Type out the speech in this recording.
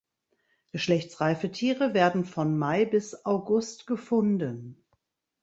Geschlechtsreife Tiere werden von Mai bis August gefunden.